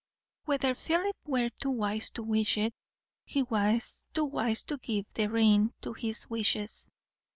Whether Philip were too wise to wish it, he was too wise to give the rein to his wishes.